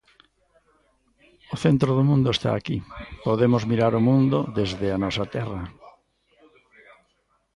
O centro do mundo está aquí, podemos mirar o mundo desde a nosa terra.